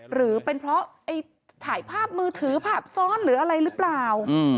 หรือเป็นเพราะถ่ายภาพมือถือภาพซ้อนหรืออะไรหรือเปล่า